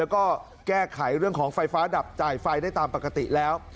แล้วก็แก้ไขเรื่องของไฟฟ้าดับจ่ายไฟได้ตามปกติแล้ว